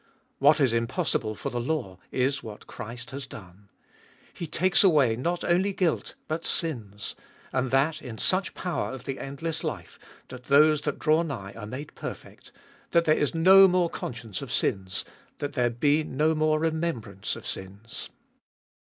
What is impossible for the law is what Christ has done. He takes away not only guilt but sins, and that in such power of the endless life that those that draw nigh are made perfect, that there is no more conscience of sins, that there be no more remembrance of sins.